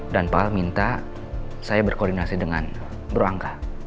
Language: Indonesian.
dan pal minta saya berkoordinasi dengan bro angga